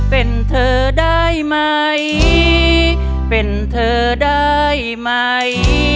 เป็นเธอได้ไหมเป็นเธอได้ไหม